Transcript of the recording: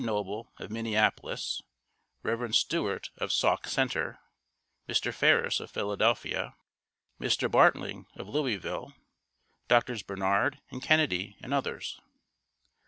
Noble of Minneapolis, Rev. Stewart of Sauk Center, Mr. Ferris of Philadelphia, Mr. Bartling of Louisville, Doctors Barnard and Kennedy and others.